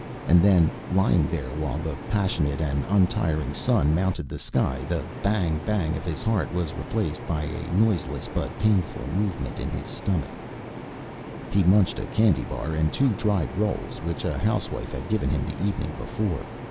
And then, lying there while the passionate and untiring sun mounted the sky, the bang bang of his heart was replaced by a noiseless but painful movement in his stomach. He munched a candy bar and two dried rolls which a housewife had given him the evening before.